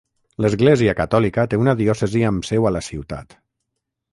L'Església catòlica té una diòcesi amb seu a la ciutat.